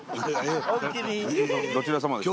どちら様ですか？